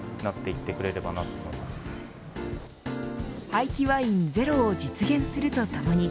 廃棄ワインゼロを実現するとともに